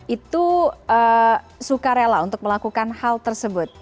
itu suka rela untuk melakukan hal tersebut